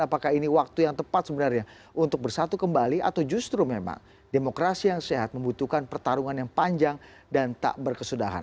apakah ini waktu yang tepat sebenarnya untuk bersatu kembali atau justru memang demokrasi yang sehat membutuhkan pertarungan yang panjang dan tak berkesudahan